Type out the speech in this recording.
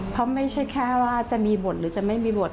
เพราะไม่ใช่แค่ว่าจะมีบทหรือจะไม่มีบท